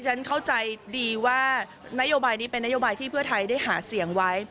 ฉันเข้าใจดีว่านโยบายนี้เป็นนโยบายที่เพื่อไทยได้หาเสียงไว้